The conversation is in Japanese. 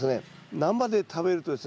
生で食べるとですね